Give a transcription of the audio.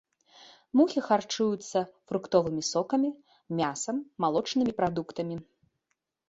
Мухі харчуюцца фруктовымі сокамі, мясам, малочнымі прадуктамі.